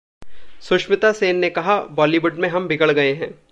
सुष्मिता सेन ने कहा- बॉलीवुड में हम बिगड़ गए हैं